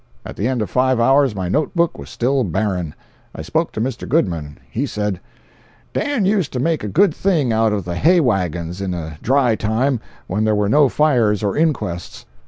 At the end of five hours my notebook was still barren. I spoke to Mr. Goodman. He said: "Dan used to make a good thing out of the hay wagons in a dry time when there were no fires or inquests.